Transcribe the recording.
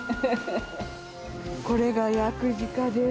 これがヤクシカです